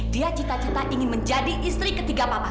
dia cita cita ingin menjadi istri ketiga papa